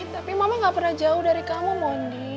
tapi mama gak pernah jauh dari kamu mondi